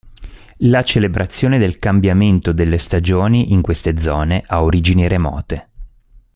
La celebrazione del cambiamento delle stagioni in queste zone ha origini remote.